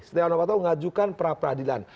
sekarang pak tau ngajukan peradilan